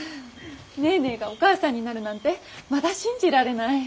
ネーネーがお母さんになるなんてまだ信じられない。